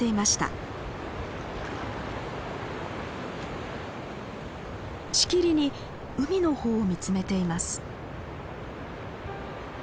しきりに海の方を見つめています。